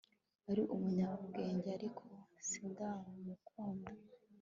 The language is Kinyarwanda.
Ari umunyabwenge ariko sindamukunda